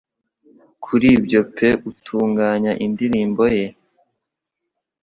Kuri ibyo pe atunganya indirimbo ye: